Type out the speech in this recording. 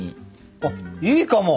あっいいかも！